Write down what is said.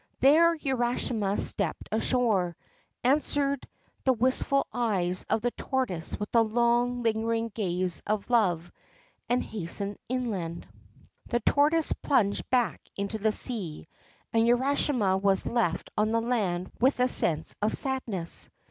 There Urashima stepped ashore, answered the wistful eyes of the tortoise with a long, lingering gaze of love, and hastened inland. The tortoise plunged back into the sea, and Urashima was left on the land with a sense of sadness.